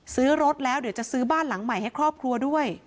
ซื้อรถแล้วเดี๋ยวจะซื้อบ้านหลังใหม่ให้ครอบครัวด้วย